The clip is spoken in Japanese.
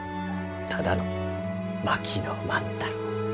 ただの槙野万太郎か。